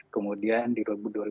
kemudian di dua ribu dua puluh dua